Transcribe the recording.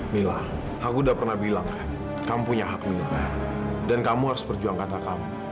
mila aku udah pernah bilang kamu punya hak mila dan kamu harus perjuangkan hak kamu